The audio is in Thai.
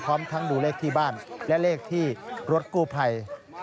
พร้อมทั้งดูเลขที่บ้านและเลขที่รถกู้ภัย